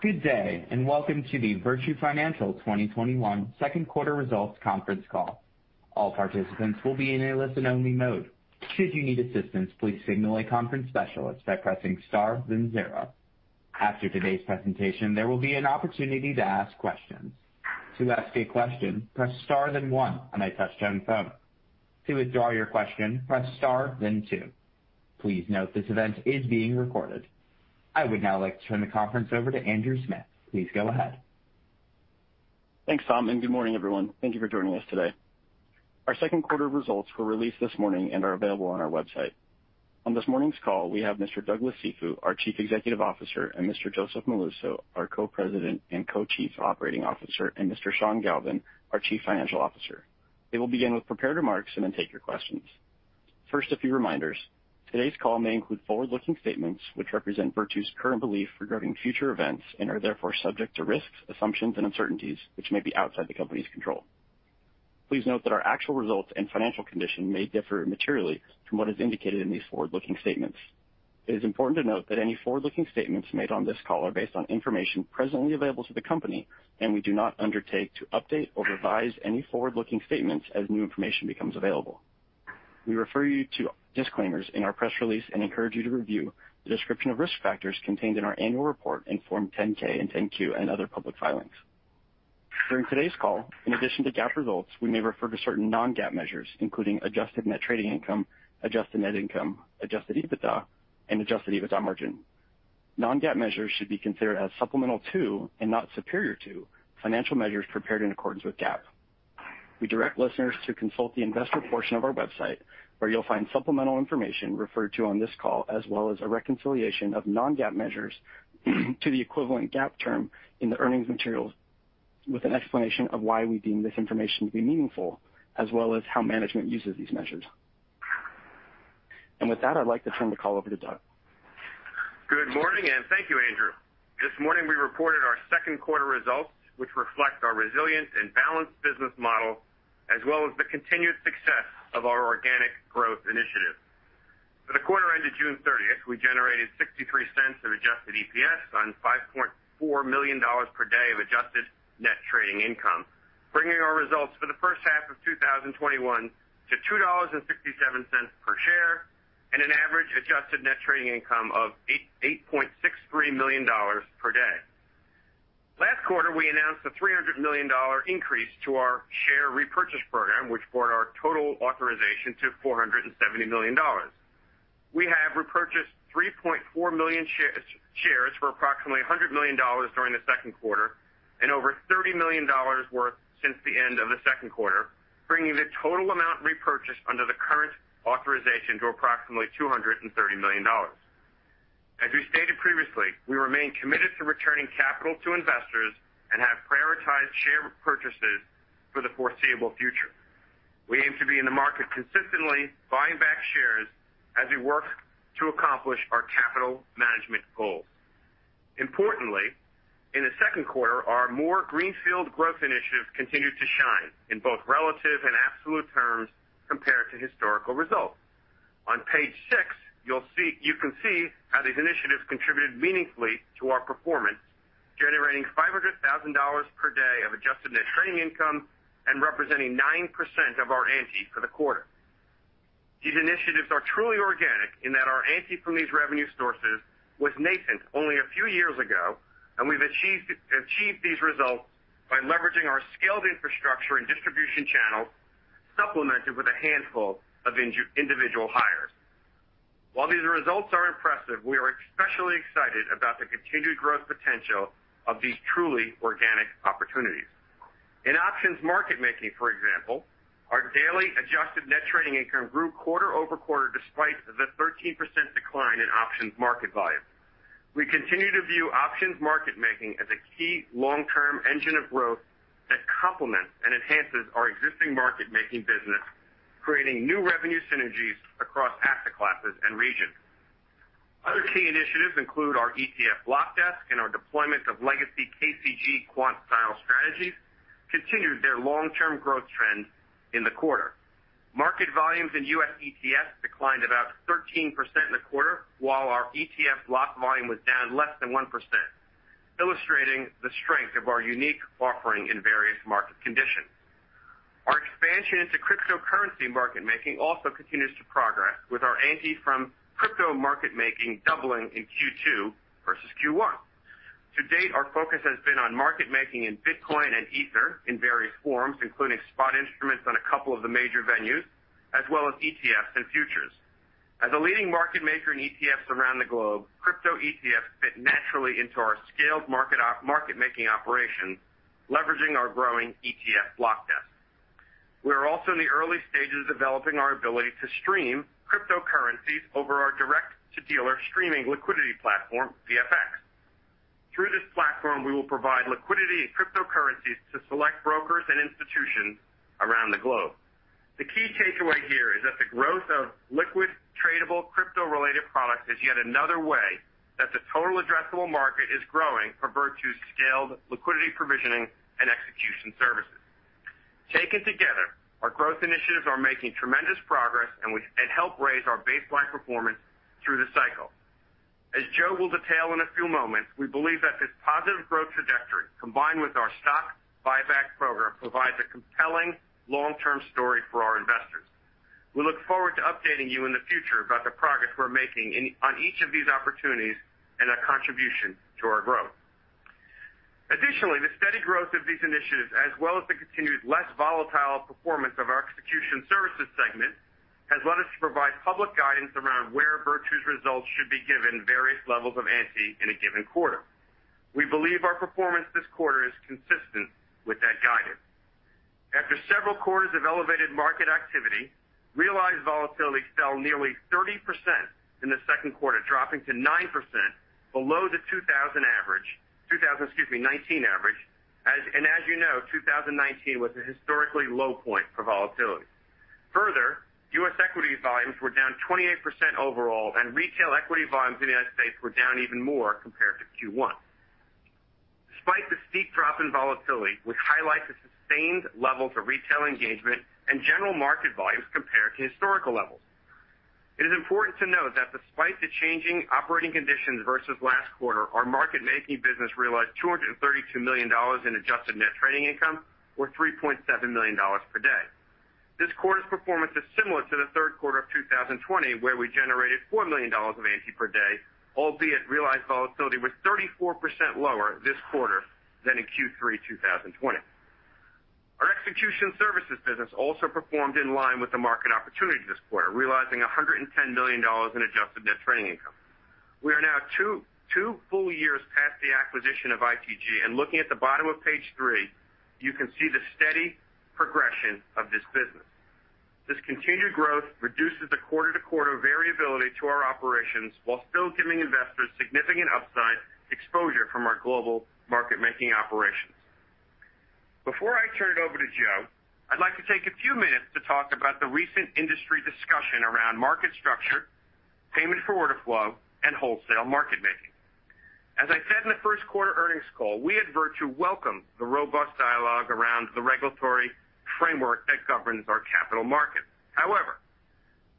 Good day, welcome to the Virtu Financial 2021 second quarter results conference call. All participants will be in a listen-only mode. After today's presentation, there will be an opportunity to ask questions. Please note this event is being recorded. I would now like to turn the conference over to Andrew Smith. Please go ahead. Thanks, Tom, and good morning, everyone. Thank you for joining us today. Our second quarter results were released this morning and are available on our website. On this morning's call, we have Mr. Douglas Cifu, our Chief Executive Officer, and Mr. Joseph Molluso, our Co-President and Co-Chief Operating Officer, and Mr. Sean Galvin, our Chief Financial Officer. They will begin with prepared remarks and then take your questions. First, a few reminders. Today's call may include forward-looking statements which represent Virtu's current belief regarding future events and are therefore subject to risks, assumptions, and uncertainties which may be outside the company's control. Please note that our actual results and financial condition may differ materially from what is indicated in these forward-looking statements. It is important to note that any forward-looking statements made on this call are based on information presently available to the company, and we do not undertake to update or revise any forward-looking statements as new information becomes available. We refer you to disclaimers in our press release and encourage you to review the description of risk factors contained in our annual report in Form 10-K and 10-Q and other public filings. During today's call, in addition to GAAP results, we may refer to certain non-GAAP measures, including Adjusted Net Trading Income, adjusted net income, adjusted EBITDA, and adjusted EBITDA margin. Non-GAAP measures should be considered as supplemental to, and not superior to, financial measures prepared in accordance with GAAP. We direct listeners to consult the investor portion of our website, where you'll find supplemental information referred to on this call, as well as a reconciliation of non-GAAP measures to the equivalent GAAP term in the earnings materials with an explanation of why we deem this information to be meaningful, as well as how management uses these measures. With that, I'd like to turn the call over to Doug. Good morning. Thank you, Andrew. This morning we reported our second quarter results, which reflect our resilient and balanced business model as well as the continued success of our organic growth initiative. For the quarter ended June 30th, we generated $0.63 of adjusted EPS on $5.4 million per day of adjusted net trading income, bringing our results for the first half of 2021 to $2.67 per share and an average adjusted net trading income of $8.63 million per day. Last quarter, we announced a $300 million increase to our share repurchase program, which brought our total authorization to $470 million. We have repurchased 3.4 million shares for approximately $100 million during the second quarter and over $30 million worth since the end of the second quarter, bringing the total amount repurchased under the current authorization to approximately $230 million. As we stated previously, we remain committed to returning capital to investors and have prioritized share repurchases for the foreseeable future. We aim to be in the market consistently buying back shares as we work to accomplish our capital management goals. Importantly, in the second quarter, our more greenfield growth initiatives continued to shine in both relative and absolute terms compared to historical results. On page 6, you can see how these initiatives contributed meaningfully to our performance, generating $500,000 per day of Adjusted Net Trading Income and representing 9% of our ANTI for the quarter. These initiatives are truly organic in that our ANTI from these revenue sources was nascent only a few years ago, and we've achieved these results by leveraging our scaled infrastructure and distribution channel, supplemented with a handful of individual hires. While these results are impressive, we are especially excited about the continued growth potential of these truly organic opportunities. In options market making, for example, our daily Adjusted Net Trading Income grew quarter-over-quarter despite the 13% decline in options market volume. We continue to view options market making as a key long-term engine of growth that complements and enhances our existing market-making business, creating new revenue synergies across asset classes and regions. Other key initiatives include our ETF block desk and our deployment of legacy KCG quant-style strategies continued their long-term growth trend in the quarter. Market volumes in U.S. ETF declined about 13% in the quarter, while our ETF block volume was down less than 1%, illustrating the strength of our unique offering in various market conditions. Our expansion into cryptocurrency market making also continues to progress with our ANTI from crypto market making doubling in Q2 versus Q1. To date, our focus has been on market making in Bitcoin and Ether in various forms, including spot instruments on a couple of the major venues, as well as ETFs and futures. As a leading market maker in ETFs around the globe, crypto ETFs fit naturally into our scaled market-making operation, leveraging our growing ETF block desk. We are also in the early stages of developing our ability to stream cryptocurrencies over our direct-to-dealer streaming liquidity platform, VFX. Through this platform, we will provide liquidity in cryptocurrencies to select brokers and institutions around the globe. The key takeaway here is that the growth of liquid tradable crypto-related products is yet another way that the total addressable market is growing for Virtu's scaled liquidity provisioning and execution services. Taken together, our growth initiatives are making tremendous progress and help raise our baseline performance through the cycle. As Joe will detail in a few moments, we believe that this positive growth trajectory, combined with our stock buyback program, provides a compelling long-term story for our investors. We look forward to updating you in the future about the progress we're making on each of these opportunities and their contribution to our growth. Additionally, the steady growth of these initiatives, as well as the continued less volatile performance of our execution services segment, has led us to provide public guidance around where Virtu's results should be given various levels of ANTI in a given quarter. We believe our performance this quarter is consistent with that guidance. After several quarters of elevated market activity, realized volatility fell nearly 30% in the second quarter, dropping to 9% below the 2019 average. As you know, 2019 was a historically low point for volatility. Further, U.S. equity volumes were down 28% overall, and retail equity volumes in the United States were down even more compared to Q1. Despite the steep drop in volatility, which highlights the sustained levels of retail engagement and general market volumes compared to historical levels, it is important to note that despite the changing operating conditions versus last quarter, our market-making business realized $232 million in Adjusted Net Trading Income, or $3.7 million per day. This quarter's performance is similar to the third quarter of 2020, where we generated $4 million of ANTI per day, albeit realized volatility was 34% lower this quarter than in Q3 2020. Our execution services business also performed in line with the market opportunity this quarter, realizing $110 million in Adjusted Net Trading Income. We are now two full years past the acquisition of ITG, and looking at the bottom of page three, you can see the steady progression of this business. This continued growth reduces the quarter-to-quarter variability to our operations while still giving investors significant upside exposure from our global market-making operations. Before I turn it over to Joe, I'd like to take a few minutes to talk about the recent industry discussion around market structure, payment for order flow, and wholesale market making. As I said in the first quarter earnings call, we at Virtu welcome the robust dialogue around the regulatory framework that governs our capital market. However,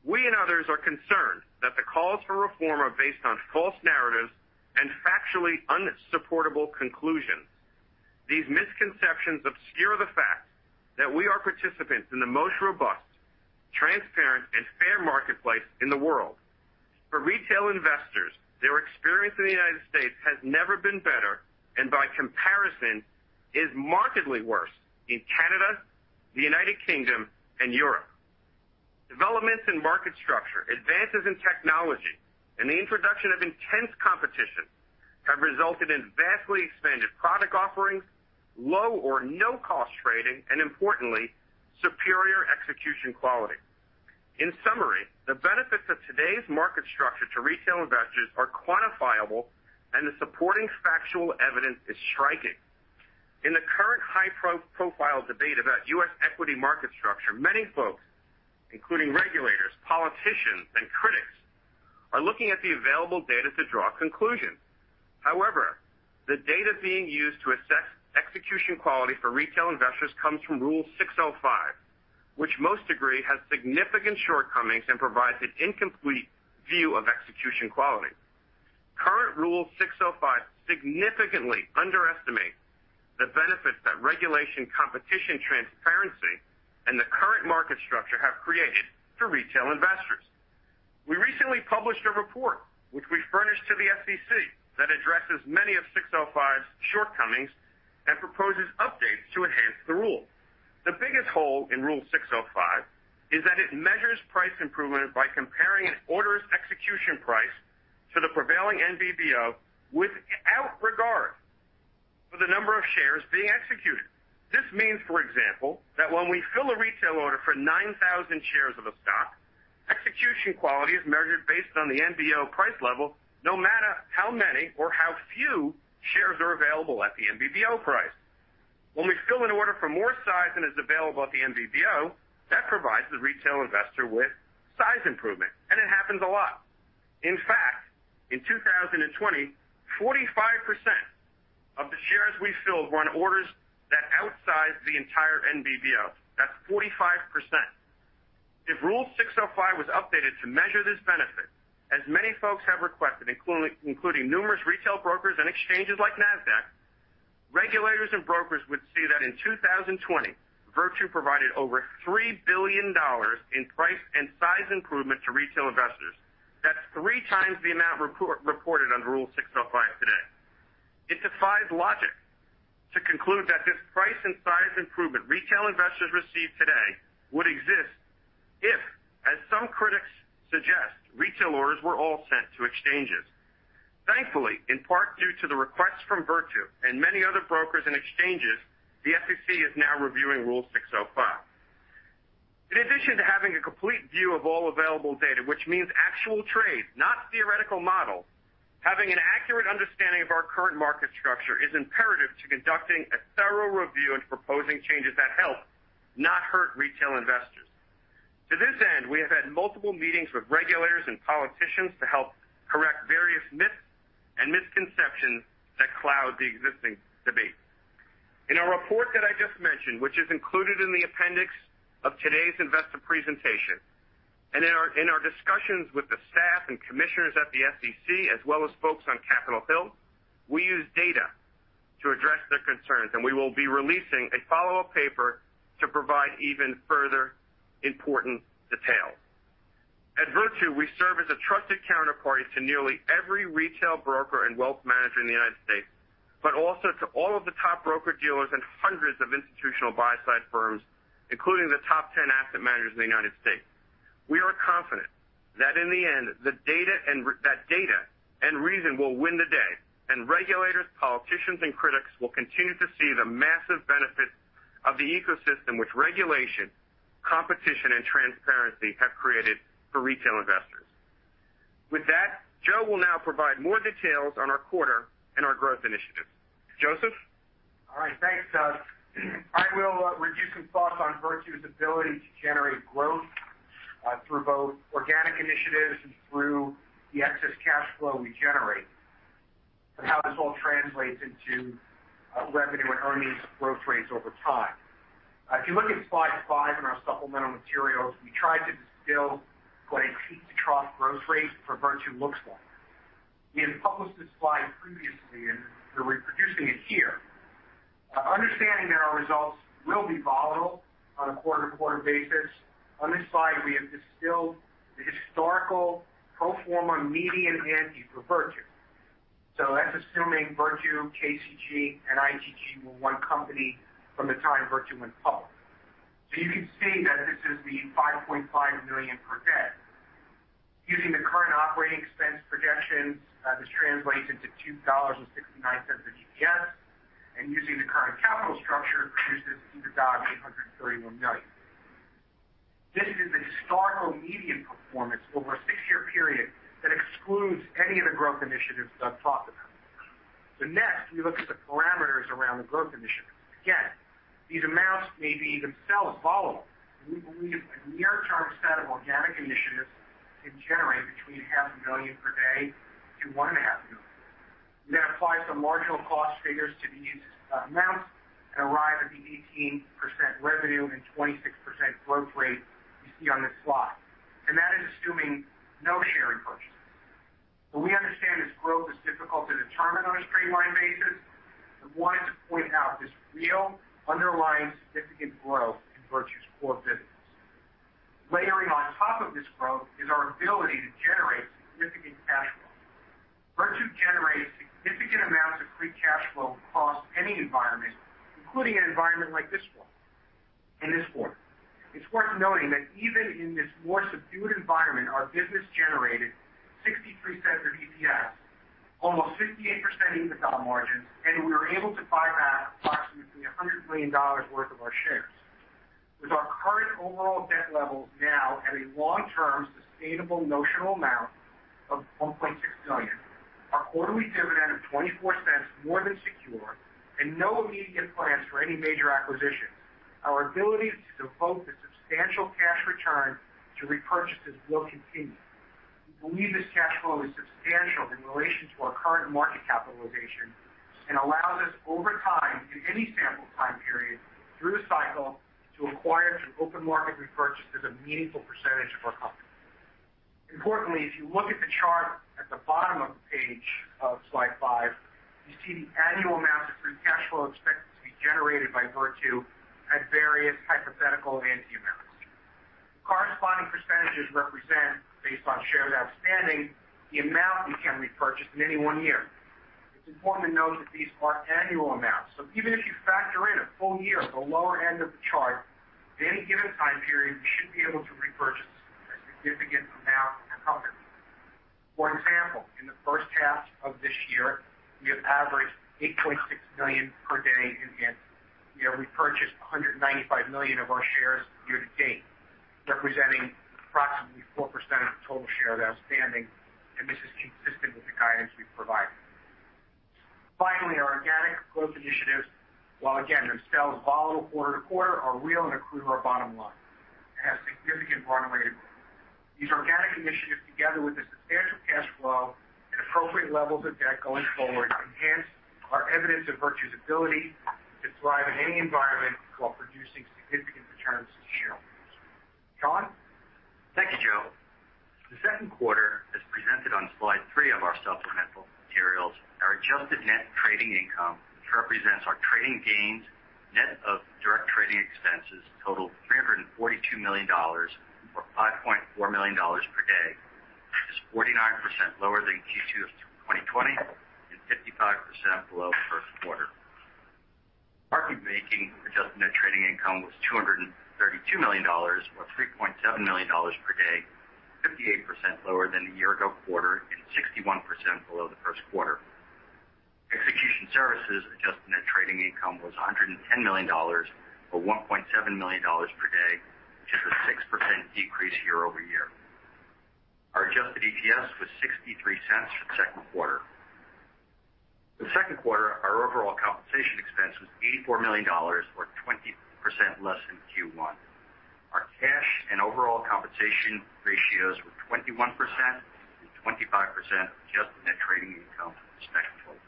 we and others are concerned that the calls for reform are based on false narratives and factually unsupportable conclusions. These misconceptions obscure the fact that we are participants in the most robust, transparent, and fair marketplace in the world. For retail investors, their experience in the U.S. has never been better and, by comparison, is markedly worse in Canada, the U.K., and Europe. Developments in market structure, advances in technology, and the introduction of intense competition have resulted in vastly expanded product offerings, low or no-cost trading, and importantly, superior execution quality. In summary, the benefits of today's market structure to retail investors are quantifiable, and the supporting factual evidence is striking. In the current high-profile debate about U.S. equity market structure, many folks, including regulators, politicians, and critics, are looking at the available data to draw conclusions. However, the data being used to assess execution quality for retail investors comes from Rule 605, which most agree has significant shortcomings and provides an incomplete view of execution quality. Current Rule 605 significantly underestimates the benefits that regulation, competition, transparency, and the current market structure have created for retail investors. We recently published a report, which we furnished to the SEC, that addresses many of 605's shortcomings and proposes updates to enhance the rule. The biggest hole in Rule 605 is that it measures price improvement by comparing an order's execution price to the prevailing NBBO without regard for the number of shares being executed. This means, for example, that when we fill a retail order for 9,000 shares of a stock, execution quality is measured based on the NBBO price level, no matter how many or how few shares are available at the NBBO price. When we fill an order for more size than is available at the NBBO, that provides the retail investor with size improvement, and it happens a lot. In fact, in 2020, 45% of the shares we filled were on orders that outsized the entire NBBO. That's 45%. If Rule 605 was updated to measure this benefit, as many folks have requested, including numerous retail brokers and exchanges like Nasdaq, regulators and brokers would see that in 2020, Virtu provided over $3 billion in price and size improvement to retail investors. That's 3 times the amount reported under Rule 605 today. It defies logic to conclude that this price and size improvement retail investors receive today would exist if, as some critics suggest, retail orders were all sent to exchanges. Thankfully, in part due to the requests from Virtu and many other brokers and exchanges, the SEC is now reviewing Rule 605. In addition to having a complete view of all available data, which means actual trades, not theoretical models, having an accurate understanding of our current market structure is imperative to conducting a thorough review and proposing changes that help, not hurt, retail investors. We have had multiple meetings with regulators and politicians to help correct various myths and misconceptions that cloud the existing debate. In our report that I just mentioned, which is included in the appendix of today's investor presentation, and in our discussions with the staff and commissioners at the SEC, as well as folks on Capitol Hill, we use data to address their concerns, and we will be releasing a follow-up paper to provide even further important details. At Virtu, we serve as a trusted counterparty to nearly every retail broker and wealth manager in the United States, but also to all of the top broker-dealers and hundreds of institutional buy-side firms, including the top 10 asset managers in the United States. Regulators, politicians, and critics will continue to see the massive benefits of the ecosystem which regulation, competition, and transparency have created for retail investors. With that, Joe will now provide more details on our quarter and our growth initiatives. Joseph? All right. Thanks, Doug. I will give you some thoughts on Virtu's ability to generate growth through both organic initiatives and through the excess cash flow we generate, and how this all translates into revenue and earnings growth rates over time. If you look at slide 5 in our supplemental materials, we tried to distill what a peak-to-trough growth rate for Virtu looks like. We're reproducing it here. Understanding that our results will be volatile on a quarter-to-quarter basis, on this slide, we have distilled the historical pro forma median [NT] for Virtu. That's assuming Virtu, KCG, and ITG were one company from the time Virtu went public. You can see that this is the $5.5 million per day. Using the current operating expense projections, this translates into $2.69 of EPS. Using the current capital structure, it produces $831 million. This is the historical median performance over a six-year period that excludes any of the growth initiatives Doug talked about. Next, we look at the parameters around the growth initiatives. Again, these amounts may be themselves volatile. We believe a near-term set of organic initiatives can generate between $500,000 per day to $1.5 million. We applied some marginal cost figures to these amounts and arrived at the 18% revenue and 26% growth rate you see on this slide, and that is assuming no share repurchase. While we understand this growth is difficult to determine on a straight-line basis, I wanted to point out this real underlying significant growth in Virtu's core business. Layering on top of this growth is our ability to generate significant cash flow. Virtu generates significant amounts of free cash flow across any environment, including an environment like this one, in this quarter. It's worth noting that even in this more subdued environment, our business generated $0.63 of EPS, almost 58% EBITDA margin, and we were able to buy back approximately $100 million worth of our shares. With our current overall debt levels now at a long-term sustainable notional amount of $1.6 billion, our quarterly dividend of $0.24 more than secure, and no immediate plans for any major acquisition, our ability to devote a substantial cash return to repurchases will continue. We believe this cash flow is substantial in relation to our current market capitalization and allows us over time, in any sample time period through the cycle, to acquire, through open market repurchases, a meaningful percentage of our company. Importantly, if you look at the chart at the bottom of the page of slide 5, you see the annual amount of free cash flow expected to be generated by Virtu at various hypothetical NTI amounts. Corresponding percentages represent, based on shares outstanding, the amount we can repurchase in any one year. It's important to note that these are annual amounts. Even if you factor in a full year at the lower end of the chart, at any given time period, we should be able to repurchase a significant amount of our company. For example, in the first half of this year, we have averaged $8.6 million per day in NTI. We have repurchased $195 million of our shares year to date, representing approximately 4% of the total shares outstanding, and this is consistent with the guidance we've provided. Our organic growth initiatives, while again, themselves volatile quarter to quarter, are real and accrue to our bottom line and have significant runway to grow. These organic initiatives, together with the substantial cash flow and appropriate levels of debt going forward, enhance our evidence of Virtu's ability to thrive in any environment while producing significant returns to shareholders. Sean? Thank you, Joe. The second quarter, as presented on slide 3 of our supplemental materials, our Adjusted Net Trading Income, which represents our trading gains, net of direct trading expenses, totaled $342 million, or $5.4 million per day, which is 49% lower than Q2 of 2020 and 55% below the first quarter. Market making Adjusted Net Trading Income was $232 million, or $3.7 million per day, 58% lower than the year-ago quarter and 61% below the first quarter. Execution services Adjusted Net Trading Income was $110 million, or $1.7 million per day, which is a 6% decrease year over- $84 million or 20% less than Q1. Our cash and overall compensation ratios were 21% and 25%, Adjusted Net Trading Income respectively.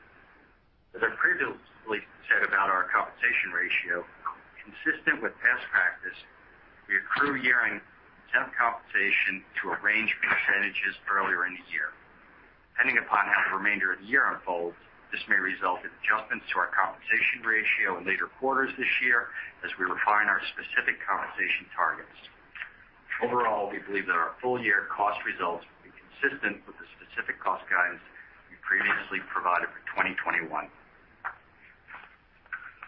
As I previously said about our compensation ratio, consistent with best practice, we accrue year-end temp compensation to a range of percentages earlier in the year. Depending upon how the remainder of the year unfolds, this may result in adjustments to our compensation ratio in later quarters this year as we refine our specific compensation targets. Overall, we believe that our full-year cost results will be consistent with the specific cost guidance we previously provided for 2021.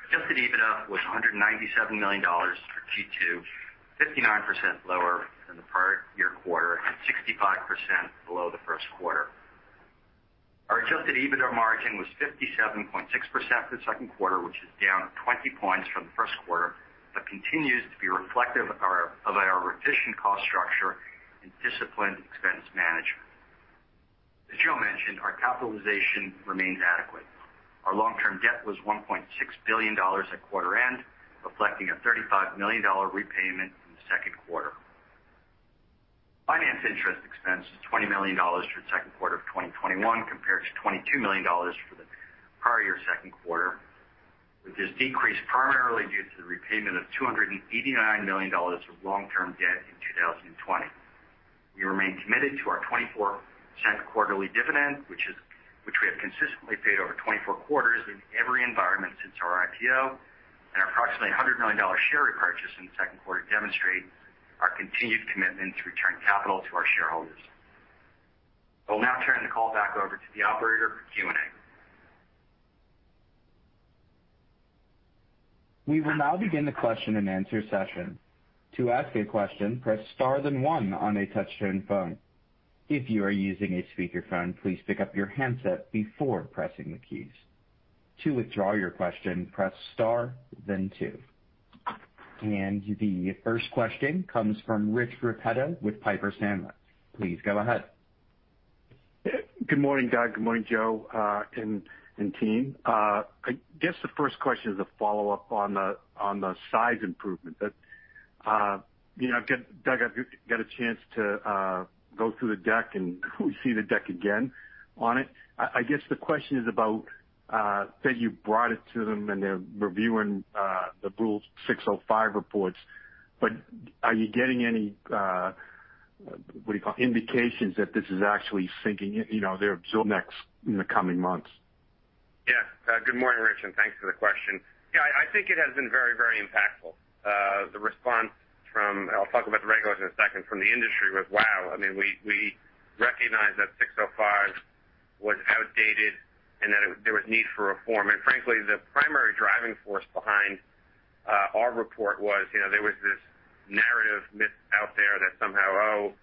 adjusted EBITDA was $197 million for Q2, 59% lower than the prior year quarter and 65% below the first quarter. Our adjusted EBITDA margin was 57.6% for the second quarter, which is down 20 points from the first quarter, continues to be reflective of our efficient cost structure and disciplined expense management. As Joe mentioned, our capitalization remains adequate. Our long-term debt was $1.6 billion at quarter end, reflecting a $35 million repayment in the second quarter. Finance interest expense is $20 million for the second quarter of 2021 compared to $22 million for the prior year second quarter, with this decrease primarily due to the repayment of $289 million of long-term debt in 2020. We remain committed to our $0.24 quarterly dividend, which we have consistently paid over 24 quarters in every environment since our IPO. Our approximately $100 million share repurchase in the second quarter demonstrate our continued commitment to return capital to our shareholders. I'll now turn the call back over to the operator for Q&A. We will now begin the question and answer session. The first question comes from Rich Repetto with Piper Sandler. Please go ahead. Good morning, Doug. Good morning, Joe, and team. I guess the first question is a follow-up on the size improvement that Doug, I've got a chance to go through the deck and see the deck again on it. I guess the question is about that you brought it to them and they're reviewing the Rule 605 reports, but are you getting any, what do you call, indications that this is actually sinking in, they're absorbed next in the coming months? Yeah. Good morning, Rich, thanks for the question. I think it has been very impactful. The response from, I'll talk about the regulators in a second, from the industry was, wow. We recognized that 605 was outdated and that there was need for reform. Frankly, the primary driving force behind our report was there was this narrative myth out there that somehow, oh,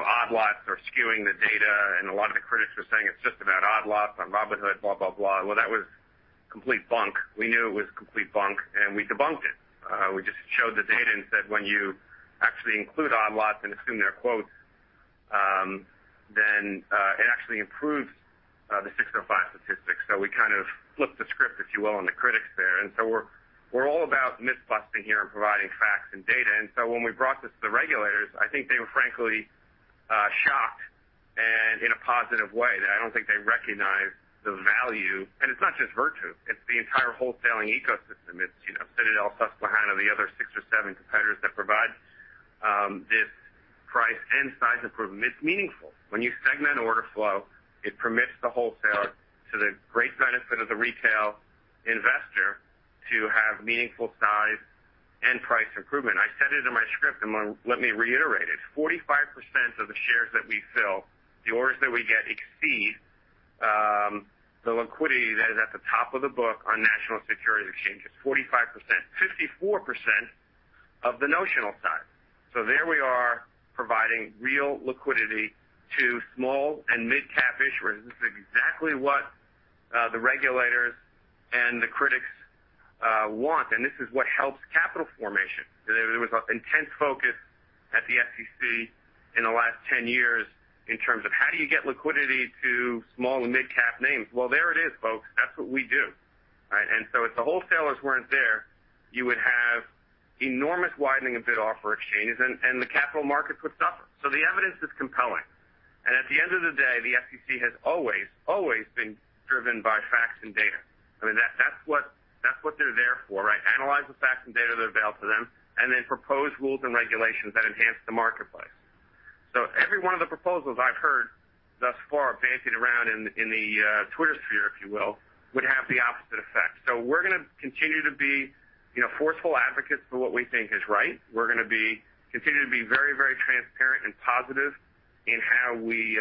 odd lots are skewing the data, and a lot of the critics were saying it's just about odd lots on Robinhood, blah. Well, that was complete bunk. We knew it was complete bunk, and we debunked it. We just showed the data and said when you actually include odd lots and assume they're quotes, then it actually improves the 605 statistics. We kind of flipped the script, if you will, on the critics there. We're all about myth busting here and providing facts and data. When we brought this to the regulators, I think they were frankly shocked and in a positive way that I don't think they recognized the value. It's not just Virtu, it's the entire wholesaling ecosystem. It's Citadel, Susquehanna, the other six or seven competitors that provide this price and size improvement. It's meaningful. When you segment order flow, it permits the wholesaler to the great benefit of the retail investor to have meaningful size and price improvement. I said it in my script, and let me reiterate it. 45% of the shares that we fill, the orders that we get exceed the liquidity that is at the top of the book on national securities exchanges, 45%. 54% of the notional size. There we are providing real liquidity to small and mid-cap issuers. This is exactly what the regulators and the critics want, and this is what helps capital formation. There was an intense focus at the SEC in the last 10 years in terms of how do you get liquidity to small and mid-cap names. Well, there it is, folks. That's what we do, right? If the wholesalers weren't there, you would have enormous widening of bid-offer exchanges and the capital markets would suffer. The evidence is compelling. At the end of the day, the SEC has always been driven by facts and data. That's what they're there for, right? Analyze the facts and data that are available to them and then propose rules and regulations that enhance the marketplace. Every one of the proposals I've heard thus far bandied around in the Twitter sphere, if you will, would have the opposite effect. We're going to continue to be forceful advocates for what we think is right. We're going to continue to be very transparent and positive in how we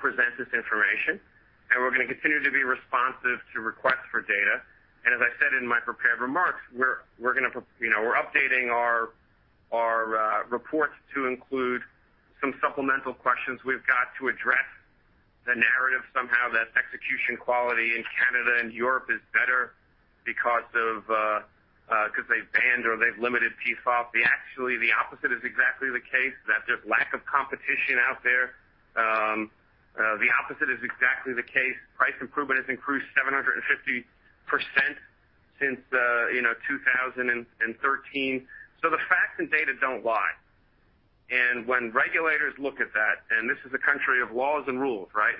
present this information, and we're going to continue to be responsive to requests for data. As I said in my prepared remarks, we're updating our reports to include some supplemental questions. We've got to address the narrative somehow that execution quality in Canada and Europe is better because they've banned or they've limited PFOF. Actually, the opposite is exactly the case, that there's lack of competition out there. The opposite is exactly the case. Price improvement has increased 750% since 2013. The facts and data don't lie. When regulators look at that, and this is a country of laws and rules, right?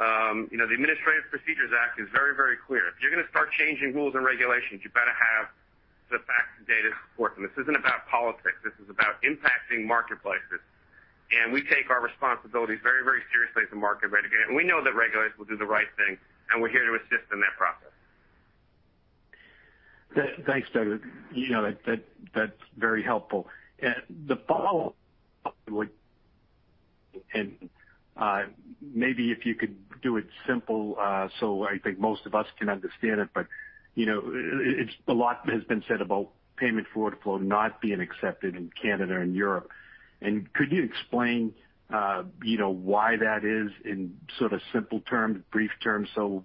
The Administrative Procedure Act is very, very clear. If you're going to start changing rules and regulations, you better have the facts and data to support them. This isn't about politics. This is about impacting marketplaces. We take our responsibilities very, very seriously as a market regulator, and we know that regulators will do the right thing, and we're here to assist in that process. Thanks, Doug. That's very helpful. Maybe if you could do it simple, so I think most of us can understand it, but a lot has been said about payment for order flow not being accepted in Canada and Europe. Could you explain why that is in sort of simple terms, brief terms, so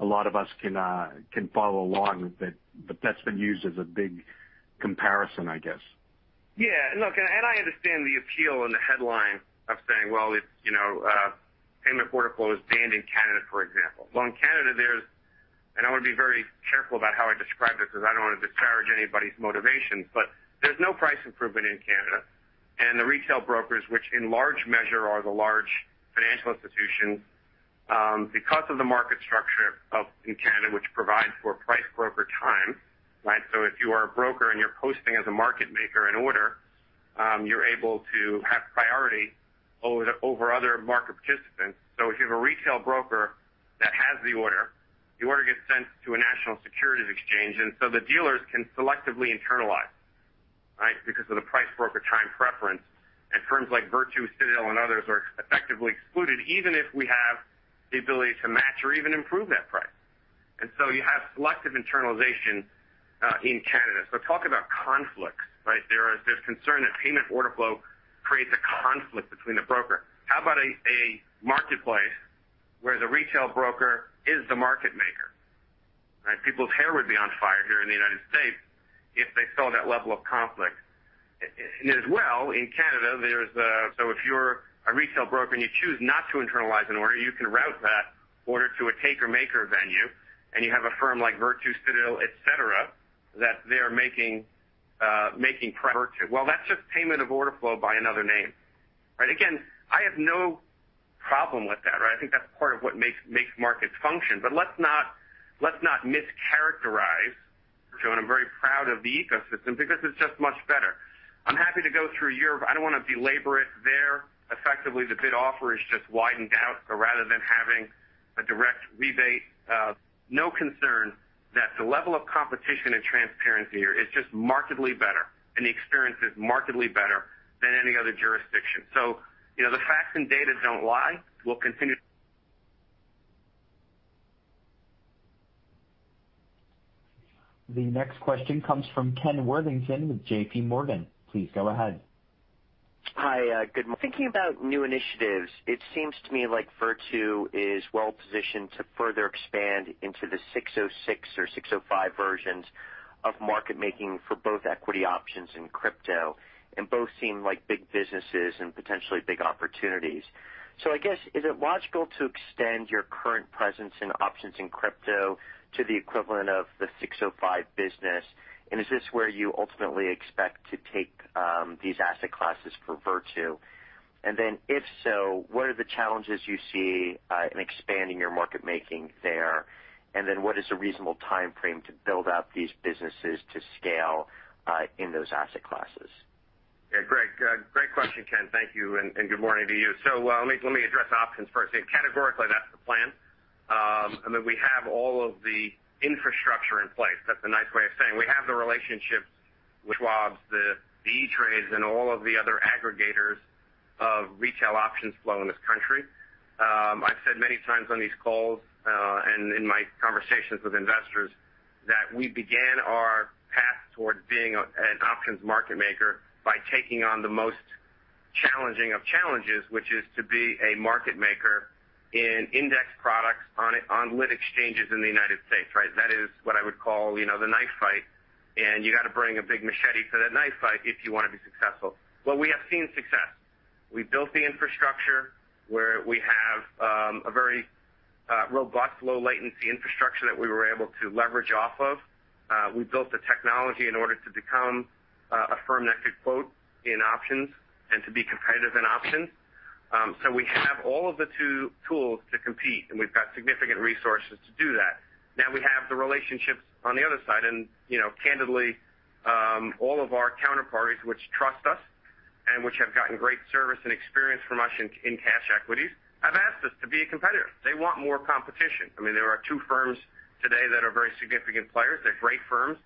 a lot of us can follow along with it, but that's been used as a big comparison, I guess? Yeah, look, I understand the appeal and the headline of saying, well, if payment for order flow is banned in Canada, for example. In Canada, there's I want to be very careful about how I describe this because I don't want to disparage anybody's motivations, but there's no price improvement in Canada. The retail brokers, which in large measure are the large financial institutions, because of the market structure up in Canada, which provides for price-broker-time, right? If you are a broker and you're posting as a market maker an order, you're able to have priority over other market participants. If you have a retail broker that has the order, the order gets sent to a national securities exchange, the dealers can selectively internalize, right? Because of the price-broker-time preference. Firms like Virtu, Citadel, and others are effectively excluded even if we have the ability to match or even improve that price. You have selective internalization in Canada. Talk about conflicts, right? There's concern that payment for order flow creates a conflict between the broker. How about a marketplace where the retail broker is the market maker? Right? People's hair would be on fire here in the United States if they saw that level of conflict. In Canada, if you're a retail broker and you choose not to internalize an order, you can route that order to a taker-maker venue, and you have a firm like Virtu, Citadel, et cetera, that they're making progress. Well, that's just payment for order flow by another name. Right? Again, I have no problem with that. I think that's part of what makes markets function. Let's not mischaracterize Virtu, and I'm very proud of the ecosystem because it's just much better. I'm happy to go through Europe. I don't want to belabor it there. Effectively, the bid offer is just widened out rather than having a direct rebate. No concern that the level of competition and transparency here is just markedly better, and the experience is markedly better than any other jurisdiction. The facts and data don't lie. The next question comes from Ken Worthington with JPMorgan. Please go ahead. Hi. Good morning. Thinking about new initiatives, it seems to me like Virtu is well-positioned to further expand into the 606 or 605 versions of market-making for both equity options and crypto. Both seem like big businesses and potentially big opportunities. I guess, is it logical to extend your current presence in options in crypto to the equivalent of the 605 business? Is this where you ultimately expect to take these asset classes for Virtu? If so, what are the challenges you see in expanding your market-making there? What is the reasonable timeframe to build out these businesses to scale in those asset classes? Yeah, great question, Ken. Thank you, and good morning to you. Let me address options first. Categorically, that's the plan. I mean, we have all of the infrastructure in place. That's a nice way of saying we have the relationships with Schwab, the [ETF], and all of the other aggregators of retail options flow in this country. I've said many times on these calls, and in my conversations with investors, that we began our path towards being an options market maker by taking on the most challenging of challenges, which is to be a market maker in index products on lit exchanges in the U.S., right? That is what I would call the knife fight, and you got to bring a big machete to that knife fight if you want to be successful. Well, we have seen success. We've built the infrastructure where we have a very robust, low latency infrastructure that we were able to leverage off of. We've built the technology in order to become a firm that could quote in options and to be competitive in options. We have all of the tools to compete, and we've got significant resources to do that. Now we have the relationships on the other side, and candidly, all of our counterparties which trust us and which have gotten great service and experience from us in cash equities have asked us to be a competitor. They want more competition. There are two firms today that are very significant players. They're great firms.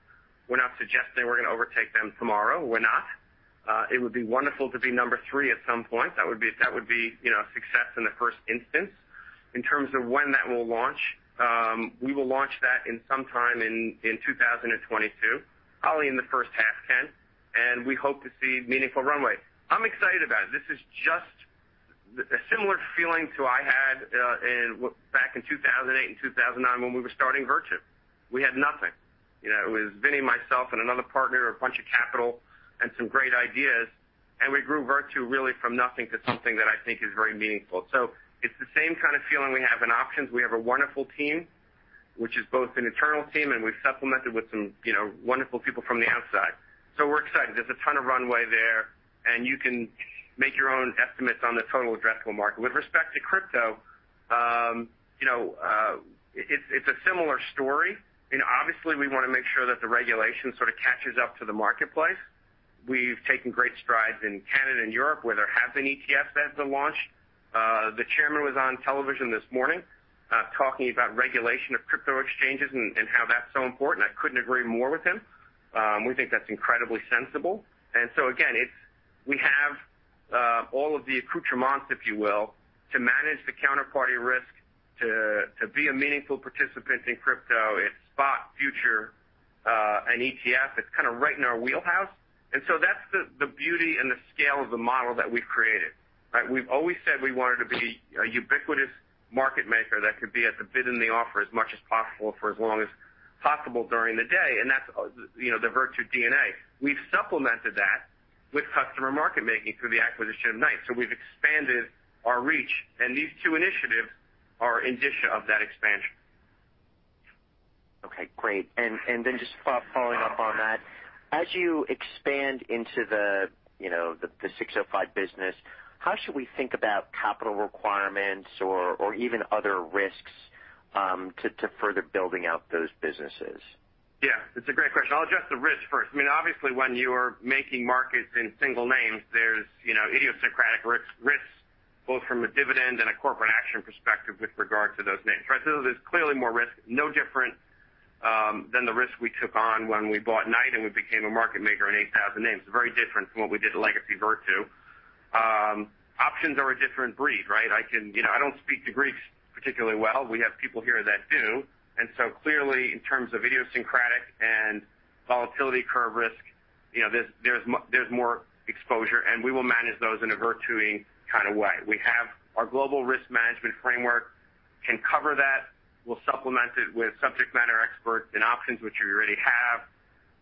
We're not suggesting we're going to overtake them tomorrow. We're not. It would be wonderful to be number three at some point. That would be a success in the first instance. In terms of when that will launch, we will launch that sometime in 2022, probably in the first half, Ken, and we hope to see meaningful runway. I'm excited about it. This is a similar feeling to I had back in 2008 and 2009 when we were starting Virtu. We had nothing. It was Vinnie, myself, and another partner, a bunch of capital, and some great ideas. We grew Virtu really from nothing to something that I think is very meaningful. It's the same kind of feeling we have in options. We have a wonderful team, which is both an internal team, and we've supplemented with some wonderful people from the outside. We're excited. There's a ton of runway there, and you can make your own estimates on the total addressable market. With respect to crypto, it's a similar story. Obviously, we want to make sure that the regulation sort of catches up to the marketplace. We've taken great strides in Canada and Europe, where there have been ETFs that have been launched. The chairman was on television this morning, talking about regulation of crypto exchanges and how that's so important. I couldn't agree more with him. We think that's incredibly sensible. Again, we have all of the accoutrements, if you will, to manage the counterparty risk to be a meaningful participant in crypto. It's spot, future, and ETF. It's kind of right in our wheelhouse. That's the beauty and the scale of the model that we've created. We've always said we wanted to be a ubiquitous market maker that could be at the bid and the offer as much as possible for as long as possible during the day, and that's the Virtu DNA. We've supplemented that with customer market-making through the acquisition of Knight. We've expanded our reach, and these two initiatives are of that expansion. Okay, great. Just following up on that, as you expand into the 605 business, how should we think about capital requirements or even other risks to further building out those businesses? Yeah, it's a great question. I'll address the risk first. Obviously, when you are making markets in single names, there's idiosyncratic risks, both from a dividend and a corporate action perspective with regard to those names, right? There's clearly more risk, no different than the risk we took on when we bought Knight, and we became a market maker in 8,000 names. It's very different from what we did at legacy Virtu. Options are a different breed, right? I don't speak to Greeks particularly well. We have people here that do. Clearly, in terms of idiosyncratic and volatility curve risk, there's more exposure, and we will manage those in a Virtu-y kind of way. We have our global risk management framework, can cover that. We'll supplement it with subject matter experts in options, which we already have,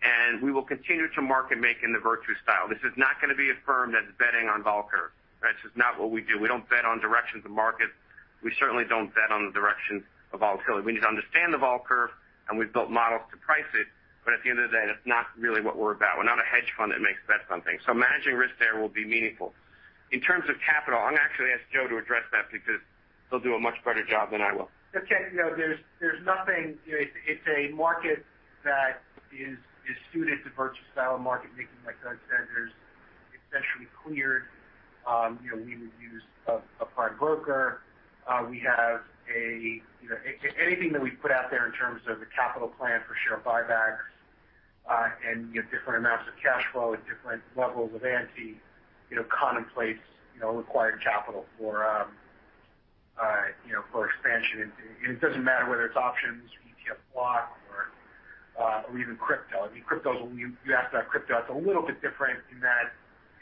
and we will continue to market-make in the Virtu style. This is not going to be a firm that's betting on vol curve. That's just not what we do. We don't bet on directions of markets. We certainly don't bet on the direction of volatility. We need to understand the vol curve, and we've built models to price it. At the end of the day, that's not really what we're about. We're not a hedge fund that makes bets on things. Managing risk there will be meaningful. In terms of capital, I'm going to actually ask Joe to address that because he'll do a much better job than I will. Okay. It's a market that is suited to Virtu's style of market making, like Doug said. There's essentially cleared. We would use a prime broker. Anything that we put out there in terms of a capital plan for share buybacks and different amounts of cash flow at different levels of ANTI contemplates required capital for expansion. It doesn't matter whether it's options, ETF block, or even crypto. Crypto's a little bit different in that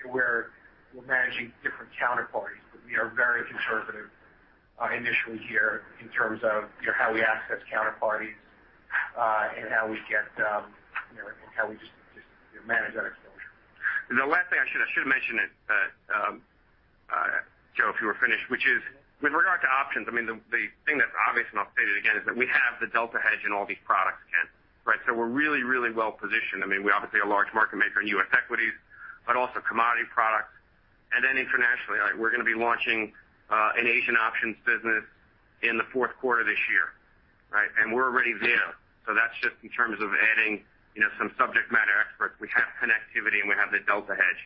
we're managing different counterparties. We are very conservative initially here in terms of how we access counterparties and how we just manage that exposure. The last thing I should mention is, Joe, if you were finished, which is with regard to options, the thing that's obvious, and I'll state it again, is that we have the delta hedge in all these products, Ken, right? We're really, really well-positioned. We're obviously a large market maker in U.S. equities, also commodity products. Internationally, we're going to be launching an Asian options business in the fourth quarter of this year. We're already there. That's just in terms of adding some subject matter experts. We have connectivity, and we have the delta hedge.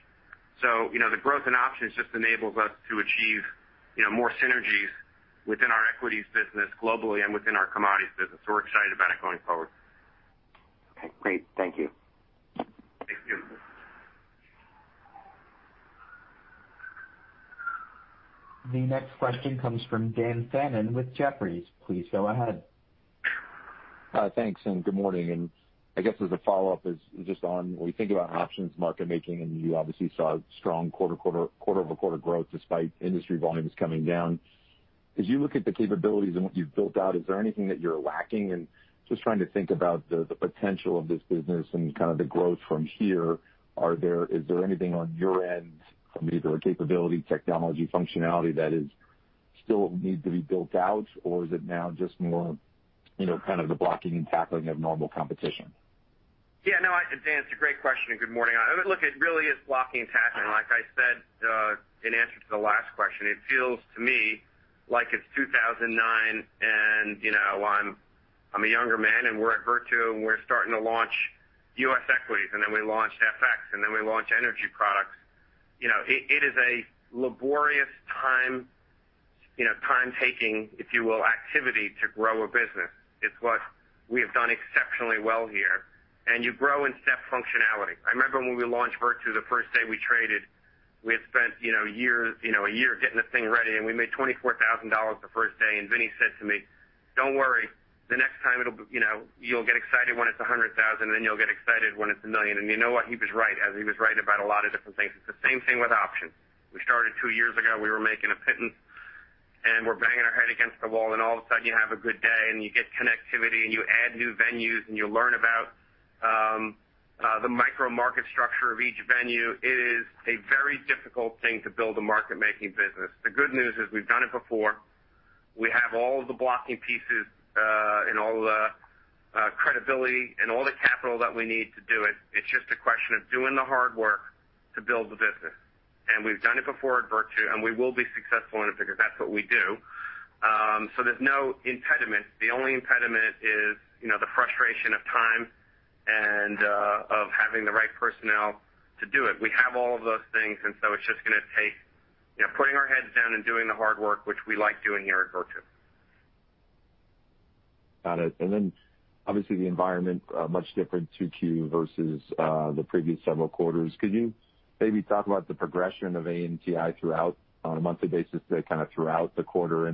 The growth in options just enables us to achieve more synergies within our equities business globally and within our commodities business. We're excited about it going forward. Okay, great. Thank you. Thank you. The next question comes from Dan Fannon with Jefferies. Please go ahead. Thanks, and good morning. I guess as a follow-up is just on when we think about options market making, and you obviously saw strong quarter-over-quarter growth despite industry volumes coming down. As you look at the capabilities and what you've built out, is there anything that you're lacking? Just trying to think about the potential of this business and kind of the growth from here. Is there anything on your end from either a capability, technology, functionality that still needs to be built out? Or is it now just more kind of the blocking and tackling of normal competition? Yeah, no, Dan, it's a great question, and good morning. Look, it really is blocking and tackling. Like I said in answer to the last question, it feels to me like it's 2009, and I'm a younger man, and we're at Virtu, and we're starting to launch U.S. equities, and then we launch FX, and then we launch energy products. It is a laborious time taking, if you will, activity to grow a business. It's what we have done exceptionally well here. You grow in step functionality. I remember when we launched Virtu, the first day we traded, we had spent a year getting the thing ready, and we made $24,000 the first day. Vinnie said to me, Don't worry, the next time you'll get excited when it's $100,000, then you'll get excited when it's $1 million. You know what? He was right, as he was right about a lot of different things. It's the same thing with options. We started two years ago, we were making a pittance, and we're banging our head against the wall, and all of a sudden, you have a good day and you get connectivity, and you add new venues, and you learn about the micro market structure of each venue. It is a very difficult thing to build a market-making business. The good news is we've done it before. We have all of the blocking pieces, and all the credibility, and all the capital that we need to do it. It's just a question of doing the hard work to build the business. We've done it before at Virtu, and we will be successful in it because that's what we do. There's no impediment. The only impediment is the frustration of time and of having the right personnel to do it. It's just going to take putting our heads down and doing the hard work, which we like doing here at Virtu. Got it. Obviously the environment, much different 2Q versus the previous several quarters. Could you maybe talk about the progression of ANTI throughout on a monthly basis, kind of throughout the quarter?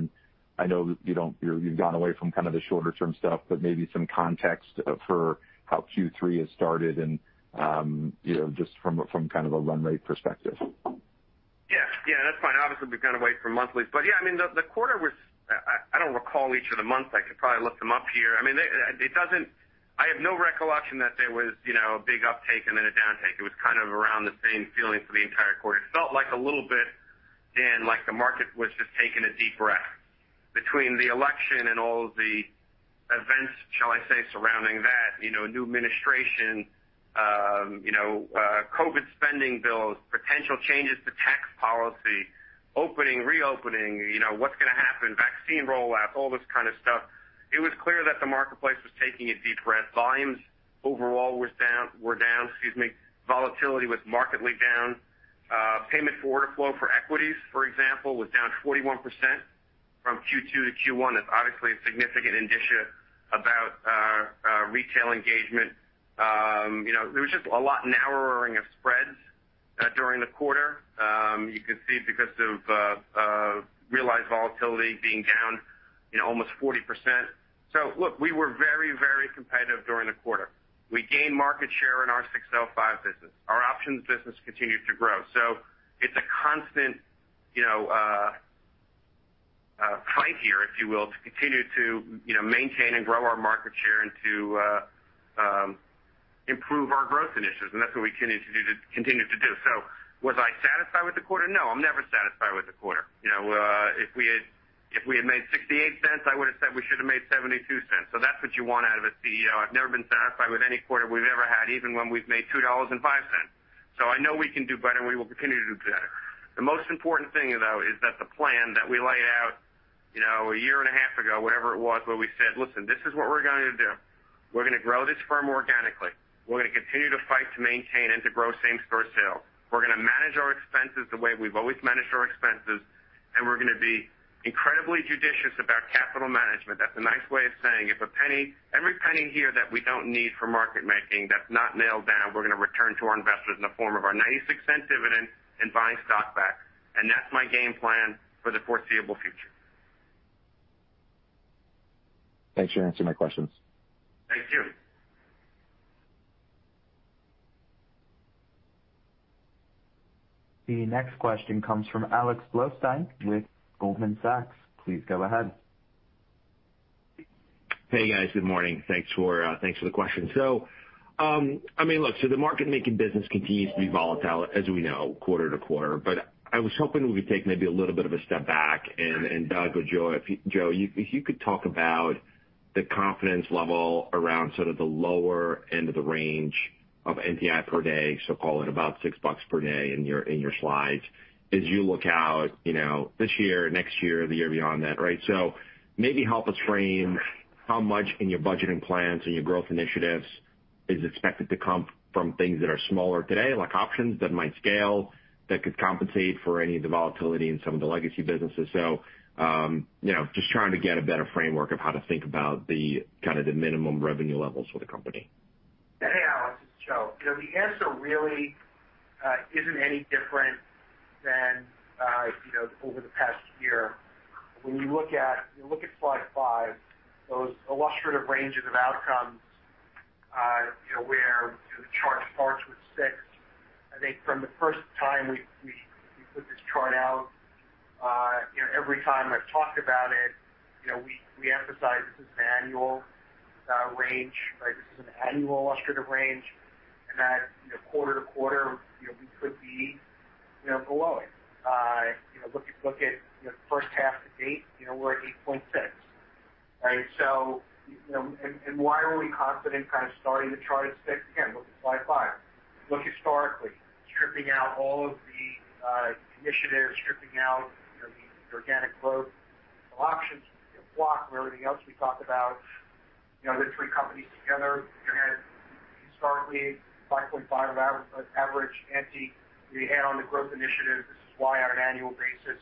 I know that you've gone away from kind of the shorter-term stuff, but maybe some context for how Q3 has started and just from kind of a run rate perspective. Yeah. That's fine. Obviously, we've gone away from monthlies. Yeah, the quarter was. I don't recall each of the months. I could probably look them up here. I have no recollection that there was a big uptake and then a downtake. It was kind of around the same feeling for the entire quarter. It felt like a little bit, Dan, like the market was just taking a deep breath. Between the election and all of the events, shall I say, surrounding that, a new administration, COVID spending bills, potential changes to tax policy, opening, reopening, what's going to happen, vaccine rollout, all this kind of stuff. It was clear that the marketplace was taking a deep breath. Volumes overall were down. Volatility was markedly down. payment for order flow for equities, for example, was down 41% from Q2 to Q1. That's obviously a significant indicia about our retail engagement. There was just a lot narrowing of spreads during the quarter. You could see because of realized volatility being down almost 40%. Look, we were very competitive during the quarter. We gained market share in our 605 business. Our options business continued to grow. It's a constant fight here, if you will, to continue to maintain and grow our market share and to improve our growth initiatives. That's what we continue to do. Was I satisfied with the quarter? No, I'm never satisfied with the quarter. If we had made $0.68, I would've said we should have made $0.72. That's what you want out of a CEO. I've never been satisfied with any quarter we've ever had, even when we've made $2.05. I know we can do better, and we will continue to do better. The most important thing, though, is that the plan that we laid out a year and a half ago, whatever it was, where we said, "Listen, this is what we're going to do. We're going to grow this firm organically. We're going to continue to fight to maintain and to grow same-store sales. We're going to manage our expenses the way we've always managed our expenses, and we're going to be incredibly judicious about capital management." That's a nice way of saying, every penny here that we don't need for market making, that's not nailed down, we're going to return to our investors in the form of our $0.96 dividend and buying stock back. That's my game plan for the foreseeable future. Thanks for answering my questions. Thank you. The next question comes from Alex Blostein with Goldman Sachs. Please go ahead. Hey, guys. Good morning. Thanks for the question. Look, so the market making business continues to be volatile, as we know, quarter to quarter. I was hoping we could take maybe a little bit of a step back and, Doug or Joe, if you could talk about the confidence level around sort of the lower end of the range of NTI per day, so call it about $6 per day in your slides. As you look out this year, next year, the year beyond that, right? Maybe help us frame how much in your budgeting plans and your growth initiatives is expected to come from things that are smaller today, like options that might scale, that could compensate for any of the volatility in some of the legacy businesses. Just trying to get a better framework of how to think about the kind of the minimum revenue levels for the company. Hey, Alex. It's Joe. The answer really isn't any different than over the past year. When you look at slide 5, those illustrative ranges of outcomes where the chart starts with 6, I think from the first time we put this chart out, every time I've talked about it, we emphasize this is an annual range, right? This is an annual illustrative range, that quarter to quarter we could be below it. Look at the first half of 2008, we're at 8.6, right? Why are we confident kind of starting the chart at 6? Again, look at slide 5. Look historically. Stripping out all of the initiatives, stripping out the organic growth, options, block, and everything else we talked about, the three companies together, you're going to historically 5.5 average ANTI. We hit on the growth initiatives. This is why on an annual basis,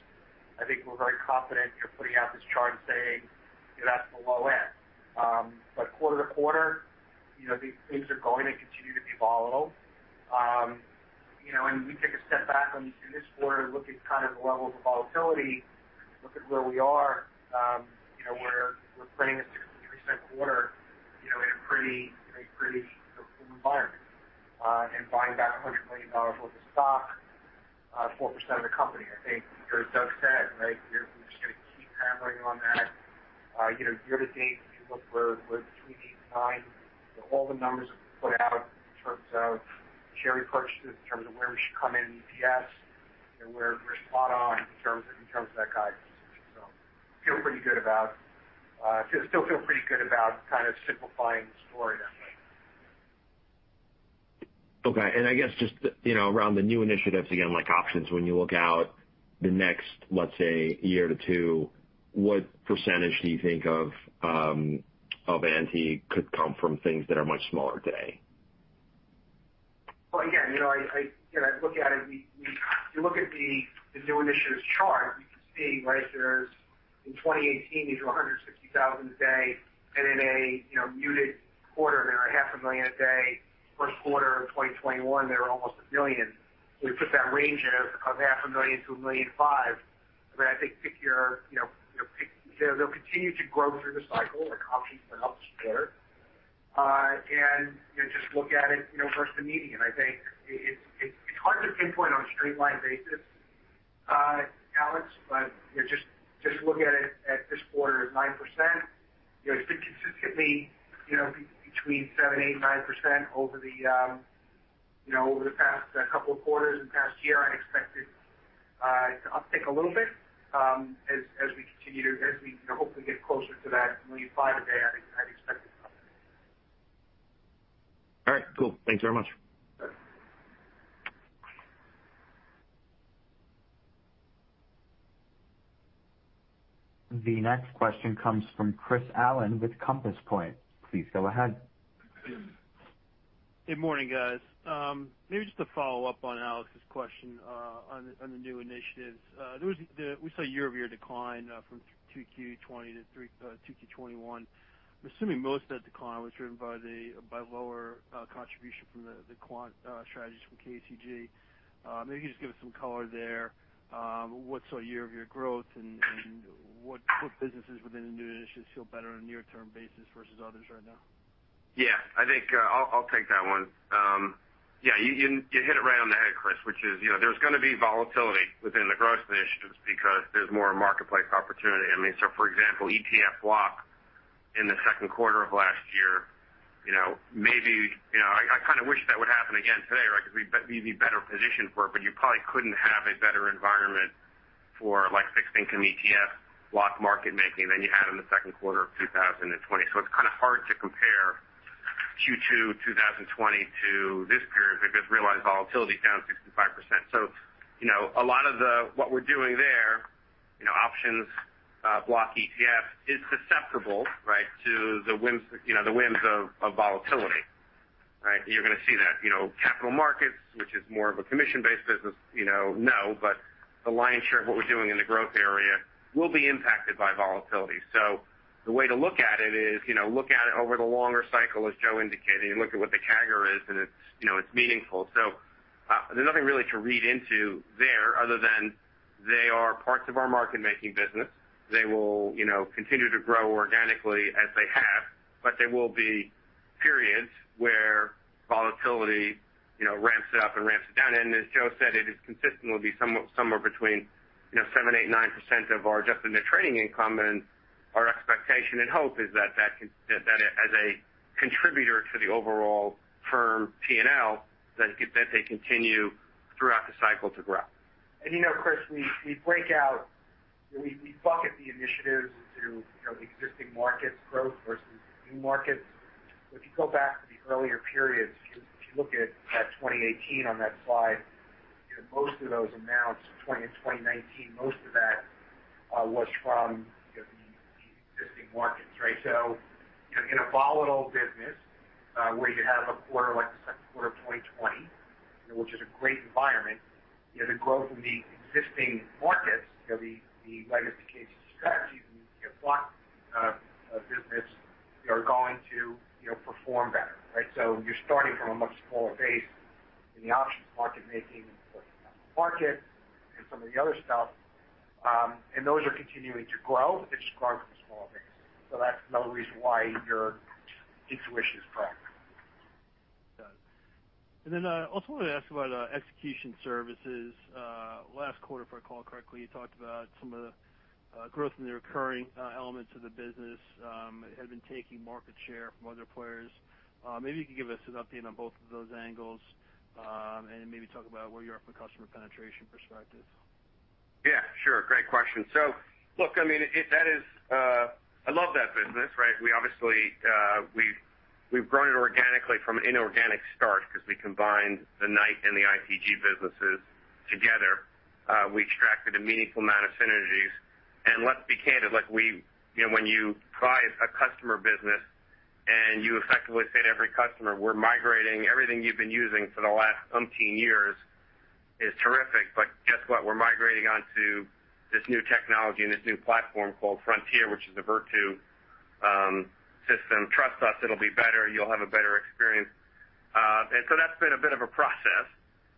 I think we're very confident putting out this chart and saying that's the low end. Quarter-to-quarter, things are going to continue to be volatile. We take a step back in this quarter to look at the levels of volatility, look at where we are. We're printing a 16% quarter in a [pretty environment], and buying back $100 million worth of stock, 4% of the company. I think, as Doug said, we're just going to keep hammering on that. Year-to-date, if you look, we're between 8 and 9. All the numbers that we put out in terms of share repurchase, in terms of where we should come in EPS, we're spot on in terms of that guidance. Still feel pretty good about simplifying the story that way. Okay. I guess just around the new initiatives again, like options, when you look out the next, let's say, year to 2, what % do you think of ANTI could come from things that are much smaller today? Well, again, I look at it, you look at the new initiatives chart, you can see there's in 2018, you do 160,000 a day, and in a muted quarter, they're at half a million a day. First quarter of 2021, they're almost 1 million. We put that range in of half a million to 1.5 million. I think they'll continue to grow through the cycle. The options are much better. Just look at it versus the median. I think it's hard to pinpoint on a straight line basis, Alex, just look at it at this quarter is 9%. It's been consistently between 7%, 8%, 9% over the past couple of quarters and past year. I'd expect it to uptick a little bit as we continue to hopefully get closer to that 1.5 a day. I'd expect it. All right, cool. Thanks very much. Sure. The next question comes from Chris Allen with Compass Point. Please go ahead. Good morning, guys. Maybe just to follow up on Alex's question on the new initiatives. We saw year-over-year decline from 2Q '20 to 2Q '21. I'm assuming most of that decline was driven by lower contribution from the quant strategies from KCG. Maybe you can just give us some color there. What saw year-over-year growth and what businesses within the new initiatives feel better on a near-term basis versus others right now? Yeah. I think I'll take that one. You hit it right on the head, Chris, which is there's going to be volatility within the growth initiatives because there's more marketplace opportunity. For example, ETF block in the 2nd quarter of last year, maybe I kind of wish that would happen again today, because we'd be better positioned for it, but you probably couldn't have a better environment for fixed income ETF block market making than you had in the 2nd quarter of 2020. It's kind of hard to compare Q2 2020 to this period because realized volatility is down 65%. A lot of what we're doing there, options, block ETF, is susceptible to the whims of volatility. Right? You're going to see that. Capital markets, which is more of a commission-based business, no. The lion's share of what we're doing in the growth area will be impacted by volatility. The way to look at it is look at it over the longer cycle, as Joe indicated, and look at what the CAGR is, and it's meaningful. There's nothing really to read into there other than they are parts of our market-making business. They will continue to grow organically as they have. There will be periods where volatility ramps it up and ramps it down. As Joe said, it is consistently somewhere between 7%, 8%, 9% of our net trading income. Our expectation and hope is that as a contributor to the overall firm P&L, that they continue throughout the cycle to grow. Chris, we break out, we bucket the initiatives into existing markets growth versus new markets. If you go back to the earlier periods, if you look at 2018 on that slide, most of those amounts in 2019, most of that was from the existing markets, right? In a volatile business where you have a quarter like the second quarter of 2020, which is a great environment, the growth in the existing markets, the legacy KCG strategies and the ETF block business are going to perform better, right? You're starting from a much smaller base in the options market making and the market and some of the other stuff. Those are continuing to grow. It's just growing from a small base. That's another reason why your intuition is correct. Got it. I also wanted to ask about Execution Services. Last quarter, if I recall correctly, you talked about some of the growth in the recurring elements of the business had been taking market share from other players. Maybe you could give us an update on both of those angles and maybe talk about where you are from a customer penetration perspective? Yeah, sure. Great question. I love that business, right? We obviously've grown it organically from an inorganic start because we combined the Knight and the ITG businesses together. We extracted a meaningful amount of synergies. Let's be candid, when you price a customer business and you effectively say to every customer, "We're migrating everything you've been using for the last umpteen years" is terrific. Guess what? We're migrating onto this new technology and this new platform called Frontier, which is a Virtu system. Trust us, it'll be better. You'll have a better experience. That's been a bit of a process.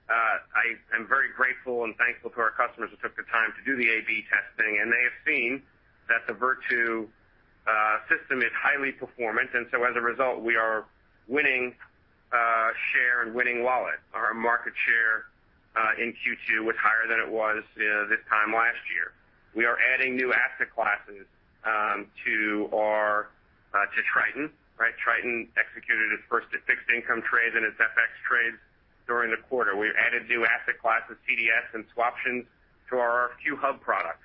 I am very grateful and thankful to our customers who took the time to do the A/B testing, and they have seen that the Virtu system is highly performant, and so as a result, we are winning share and winning wallet. Our market share in Q2 was higher than it was this time last year. We are adding new asset classes to Triton. Triton executed its first fixed-income trades and its FX trades during the quarter. We added new asset classes, CDS and swaptions, to our [RFQ-hub] product.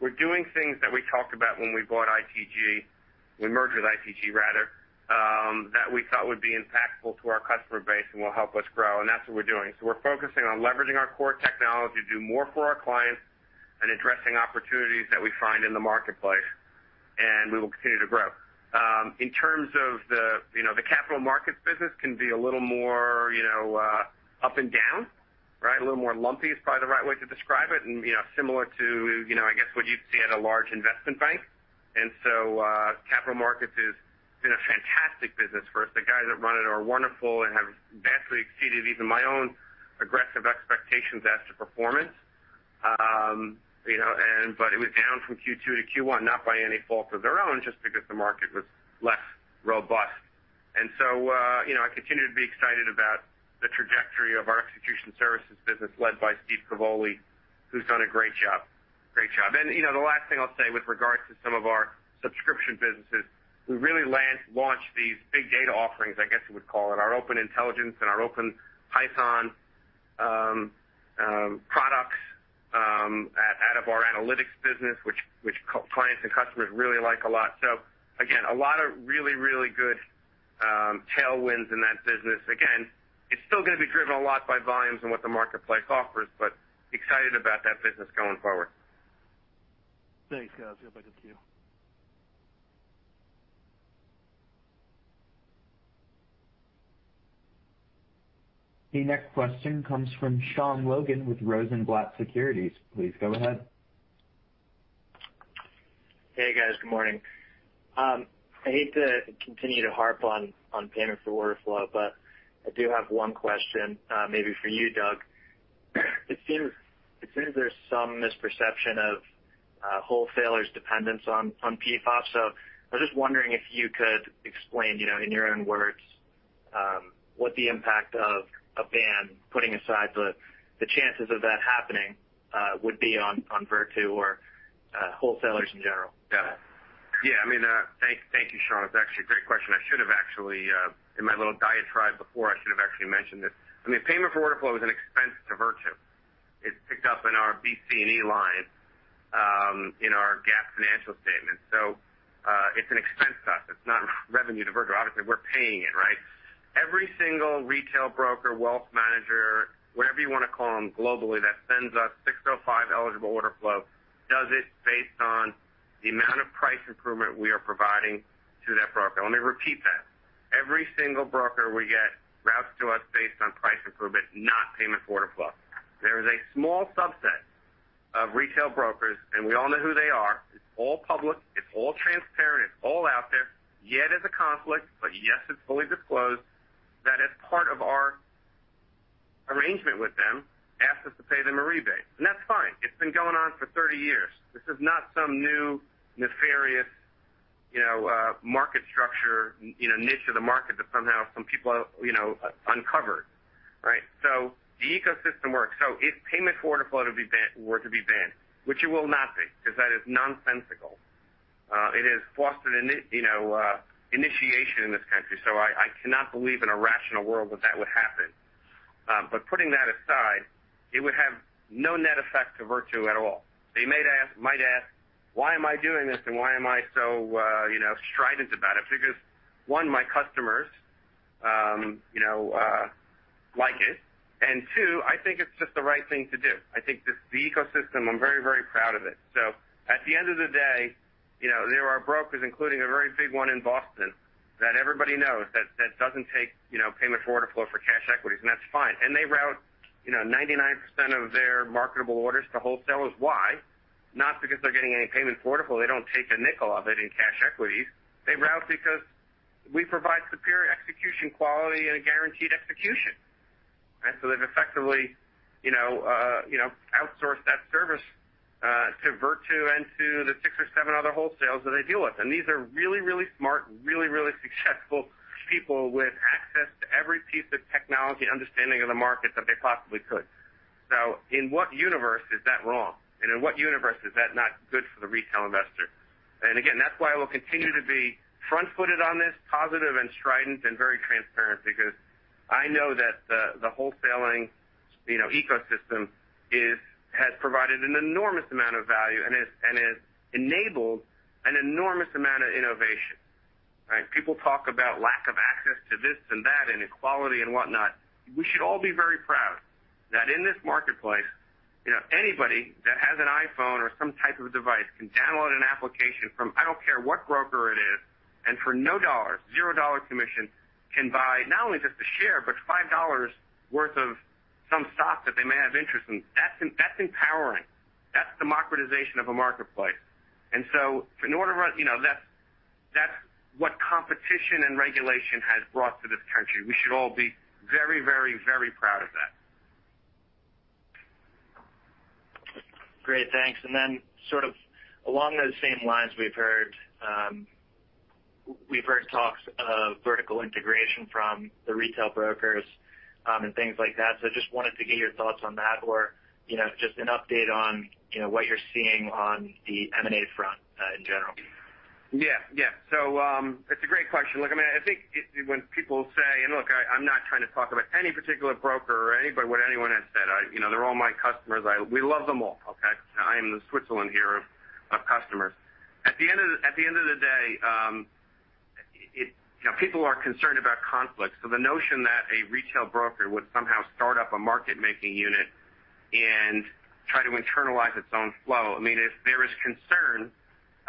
We're doing things that we talked about when we bought ITG, we merged with ITG rather, that we thought would be impactful to our customer base and will help us grow, and that's what we're doing. We're focusing on leveraging our core technology to do more for our clients and addressing opportunities that we find in the marketplace, and we will continue to grow. In terms of the capital markets business can be a little more up and down. A little more lumpy is probably the right way to describe it, similar to, I guess, what you'd see at a large investment bank. Capital markets has been a fantastic business for us. The guys that run it are wonderful and have vastly exceeded even my own aggressive expectations as to performance. It was down from Q2 to Q1, not by any fault of their own, just because the market was less robust. I continue to be excited about the trajectory of our execution services business led by Steve Cavoli, who's done a great job. The last thing I'll say with regard to some of our subscription businesses, we really launched these big data offerings, I guess you would call it, our Open Intelligent and our Open Python products out of our analytics business, which clients and customers really like a lot. A lot of really good tailwinds in that business. Again, it's still going to be driven a lot by volumes and what the marketplace offers, but excited about that business going forward. Thanks, guys. Let's go back to queue. The next question comes from Sean Horgan with Rosenblatt Securities. Please go ahead. Hey, guys. Good morning. I hate to continue to harp on payment for order flow, but I do have 1 question, maybe for you, Doug. It seems there's some misperception of wholesalers' dependence on PFOF. I was just wondering if you could explain, in your own words, what the impact of a ban, putting aside the chances of that happening, would be on Virtu or wholesalers in general. Thank you, Sean. It's actually a great question. In my little diatribe before, I should've actually mentioned this. Payment for order flow is an expense to Virtu. It's picked up in our BC&E line, in our GAAP financial statement. It's an expense to us. It's not revenue to Virtu. Obviously, we're paying it. Every single retail broker, wealth manager, whatever you want to call them globally, that sends us 605-eligible order flow does it based on the amount of price improvement we are providing to that broker. Let me repeat that. Every single broker we get routes to us based on price improvement, not payment for order flow. There is a small subset of retail brokers. We all know who they are. It's all public, it's all transparent, it's all out there. Yes, there's a conflict, but yes, it's fully disclosed that as part of our arrangement with them, ask us to pay them a rebate. That's fine. It's been going on for 30 years. This is not some new nefarious market structure, niche of the market that somehow some people uncovered. The ecosystem works. If payment for order flow were to be banned, which it will not be, because that is nonsensical. It is fostered innovation in this country. I cannot believe in a rational world that that would happen. Putting that aside, it would have no net effect to Virtu at all. You might ask, "Why am I doing this and why am I so strident about it?" Because, one, my customers like it, and two, I think it's just the right thing to do. I think this ecosystem, I'm very, very proud of it. At the end of the day, there are brokers, including a very big one in Boston that everybody knows, that doesn't take payment for order flow for cash equities, and that's fine. They route 99% of their marketable orders to wholesalers. Why? Not because they're getting any payment for order flow. They don't take a nickel of it in cash equities. They route because we provide superior execution quality and a guaranteed execution. They've effectively outsourced that service to Virtu and to the 6 or 7 other wholesalers that they deal with, and these are really, really smart, really, really successful people with access to every piece of technology and understanding of the market that they possibly could. In what universe is that wrong? In what universe is that not good for the retail investor? Again, that's why we'll continue to be front-footed on this, positive and strident and very transparent, because I know that the wholesaling ecosystem has provided an enormous amount of value, and has enabled an enormous amount of innovation. People talk about lack of access to this and that and equality and whatnot. We should all be very proud that in this marketplace, anybody that has an iPhone or type of device can download an application from, I don't care what broker it is, and for $0, $0 commission, can buy not only just a share, but $5 worth of some stock that they may have interest in. That's empowering. That's democratization of a marketplace. That's what competition and regulation has brought to this country. We should all be very proud of that. Great, thanks. Sort of along those same lines, we've heard talks of vertical integration from the retail brokers, and things like that. Just wanted to get your thoughts on that or just an update on what you're seeing on the M&A front, in general. Yeah. It's a great question. Look, I think when people say, I'm not trying to talk about any particular broker or anybody, what anyone has said. They're all my customers. We love them all. Okay. I am the Switzerland here of customers. At the end of the day, people are concerned about conflict. The notion that a retail broker would somehow start up a market-making unit and try to internalize its own flow, if there is concern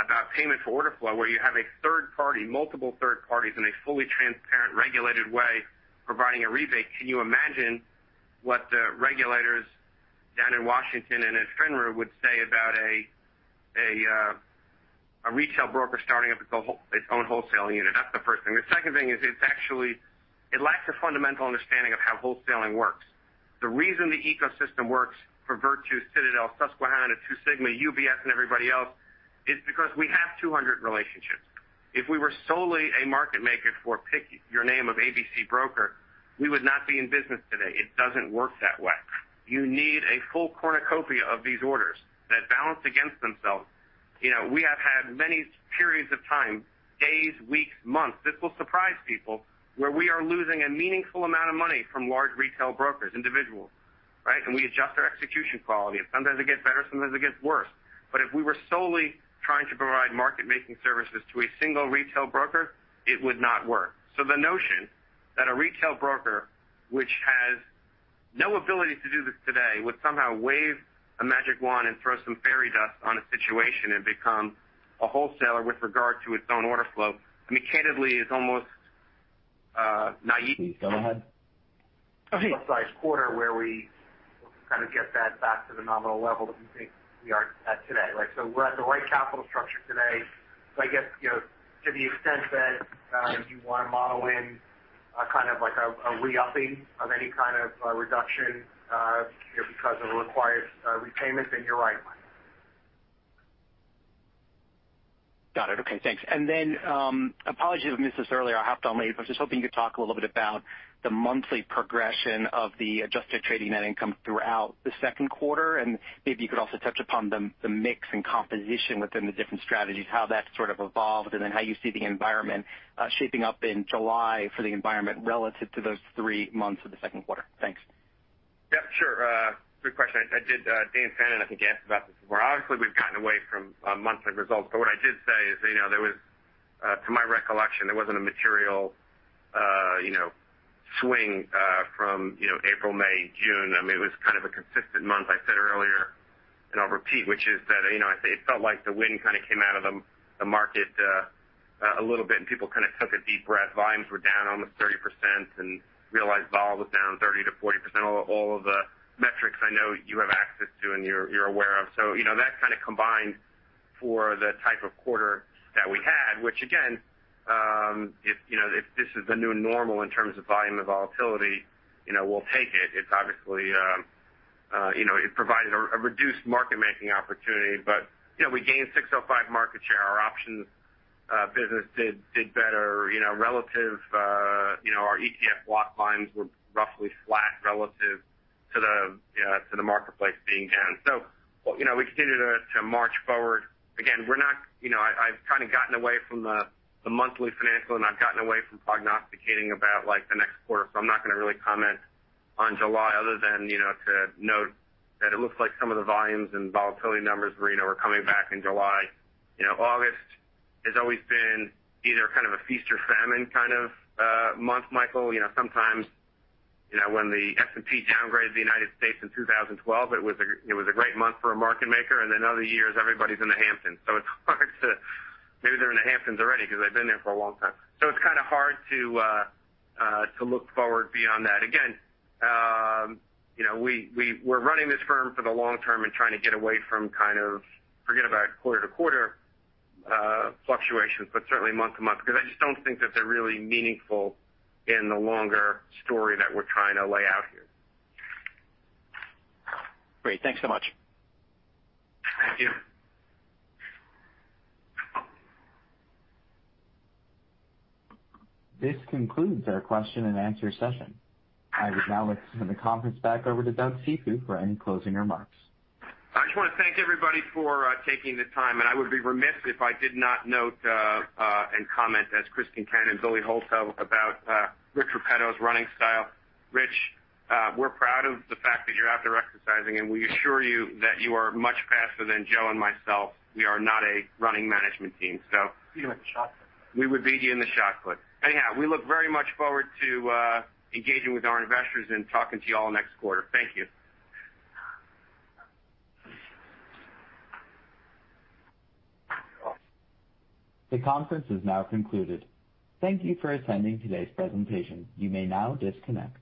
about payment for order flow where you have a third party, multiple third parties in a fully transparent, regulated way providing a rebate, can you imagine what the regulators down in Washington and at FINRA would say about a retail broker starting up its own wholesaling unit? That's the first thing. The second thing is it lacks a fundamental understanding of how wholesaling works. The reason the ecosystem works for Virtu, Citadel, Susquehanna, Two Sigma, UBS, and everybody else is because we have 200 relationships. If we were solely a market-maker for pick your name of ABC broker, we would not be in business today. It doesn't work that way. You need a full cornucopia of these orders that balance against themselves. We have had many periods of time, days, weeks, months, this will surprise people, where we are losing a meaningful amount of money from large retail brokers, individuals. Right? We adjust our execution quality. Sometimes it gets better, sometimes it gets worse. If we were solely trying to provide market-making services to a single retail broker, it would not work. The notion that a retail broker, which has no ability to do this today, would somehow wave a magic wand and throw some fairy dust on a situation and become a wholesaler with regard to its own order flow, candidly is almost naive. Please go ahead. Okay. -sized quarter where we kind of get that back to the nominal level that we think we are at today. We're at the right capital structure today. I guess, to the extent that you want to model in a kind of like a re-upping of any kind of a reduction because of a required repayment, then you're right, Got it. Okay, thanks. Apologies if I missed this earlier. I hopped on late, but just hoping you could talk a little bit about the monthly progression of the Adjusted Trading Net Income throughout the second quarter, and maybe you could also touch upon the mix and composition within the different strategies, how that sort of evolved, and then how you see the environment shaping up in July for the environment relative to those three months of the second quarter. Thanks. Yeah, sure. Great question. Dan Fannon, I think, answered about this before. Obviously, we've gotten away from monthly results. What I did say is, to my recollection, there wasn't a material swing from April, May, June. It was kind of a consistent month. I said earlier, I'll repeat, which is that, it felt like the wind kind of came out of the market a little bit, and people kind of took a deep breath. Volumes were down almost 30% and realized volatility was down 30%-40% on all of the metrics I know you have access to and you're aware of. That kind of combined for the type of quarter that we had, which again, if this is the new normal in terms of volume and volatility, we'll take it. It provided a reduced market-making opportunity. We gained Rule 605 market share. Our ETF block volumes were roughly flat relative to the marketplace being down. We continue to march forward. Again, I've kind of gotten away from the monthly financial, and I've gotten away from prognosticating about the next quarter. I'm not going to really comment on July other than to note that it looks like some of the volumes and volatility numbers are coming back in July. August has always been either kind of a feast or famine kind of month, Michael. Sometimes when the S&P downgraded the United States in 2012, it was a great month for a market maker, and then other years everybody's in the Hamptons. Maybe they're in the Hamptons already because they've been there for a long time. It's kind of hard to look forward beyond that. Again, we're running this firm for the long term and trying to get away from kind of forget about quarter-to-quarter fluctuations, but certainly month to month, because I just don't think that they're really meaningful in the longer story that we're trying to lay out here. Great. Thanks so much. Thank you. This concludes our question and answer session. I would now like to turn the conference back over to Douglas Cifu for any closing remarks. I just want to thank everybody for taking the time, and I would be remiss if I did not note and comment as [Christian Cannon], [Billy Holsogge] about [Rich Repetto's] running style. Rich, we're proud of the fact that you're out there exercising, and we assure you that you are much faster than Joe and myself. We are not a running management team. We would beat you in the shot put. Anyhow, we look very much forward to engaging with our investors and talking to you all next quarter. Thank you. The conference is now concluded. Thank you for attending today's presentation. You may now disconnect.